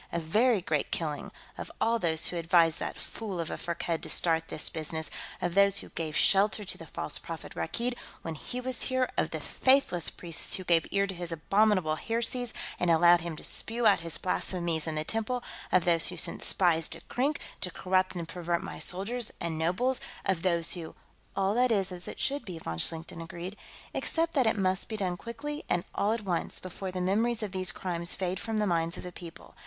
A very great killing: of all those who advised that fool of a Firkked to start this business; of those who gave shelter to the false prophet, Rakkeed, when he was here; of the faithless priests who gave ear to his abominable heresies and allowed him to spew out his blasphemies in the temples; of those who sent spies to Krink, to corrupt and pervert my soldiers and nobles; of those who...." "All that is as it should be," von Schlichten agreed. "Except that it must be done quickly and all at once, before the memories of these crimes fade from the minds of the people.